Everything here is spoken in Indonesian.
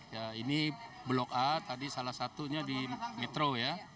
ya ini blok a tadi salah satunya di metro ya